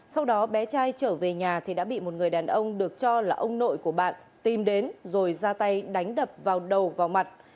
sau đó bé trai trở về nhà thì đã bị một người đàn ông được cho là ông nội của bạn tìm đến rồi ra tay đánh đập vào đầu vào mặt